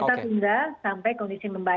jadi jangan langsung tidak boleh ya